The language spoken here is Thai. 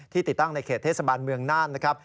ติดตั้งในเขตเทศบาลเมืองน่านนะครับ